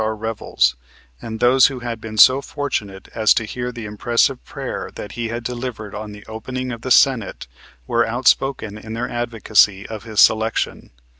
R. Revels and those who had been so fortunate as to hear the impressive prayer that he had delivered on the opening of the Senate were outspoken in their advocacy of his selection.